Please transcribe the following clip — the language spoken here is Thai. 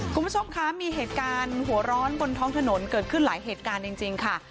คุณผู้ชมคะมีเหตุการณ์หัวร้อนบนท้องถนนเกิดขึ้นหลายเหตุการณ์จริงค่ะ